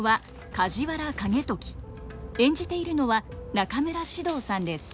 演じているのは中村獅童さんです。